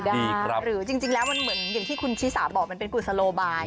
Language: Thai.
หรือจริงแล้วมันเหมือนอย่างที่คุณชิสาบอกมันเป็นกุศโลบาย